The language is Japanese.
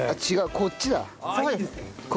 こっちだ。